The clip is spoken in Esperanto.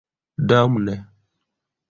Damne!